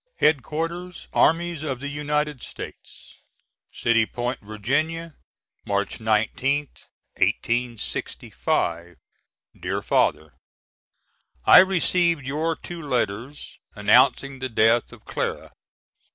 ] HEAD QUARTERS ARMIES OF THE UNITED STATES City Point, Va., March 19th, 1865. DEAR FATHER: I received your two letters announcing the death of Clara.